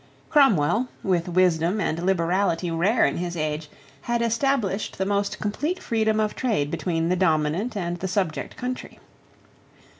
Cromwell, with wisdom and liberality rare in his age, had established the most complete freedom of trade between the dominant and the subject country.